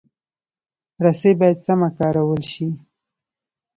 رسۍ باید سمه کارول شي.